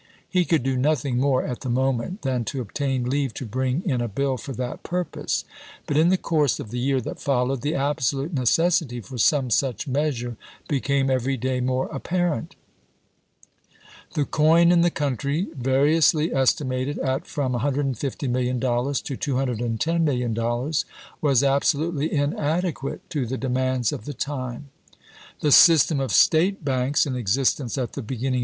He could do noth ing more at the moment than to obtain leave to bring in a biU for that pm*pose ; but in the course of the year that followed, the absolute necessity for some such measure became every day more appar ent. The coin in the country, variously estimated at from $150,000,000 to $210,000,000, was abso lutely inadequate to the demands of the time. The system of State banks in existence at the beginning Vol.